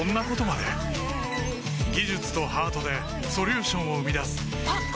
技術とハートでソリューションを生み出すあっ！